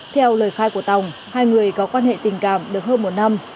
theo lời khai của tòng hai người có quan hệ tình cảm được hơn một năm